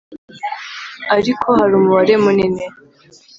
ari uko hari umubare munini